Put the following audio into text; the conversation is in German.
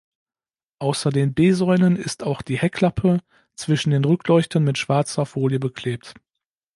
Außer den B-Säulen ist auch die Heckklappe zwischen den Rückleuchten mit schwarzer Folie beklebt.